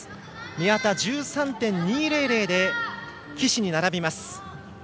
宮田、１３．２００で岸に並びます。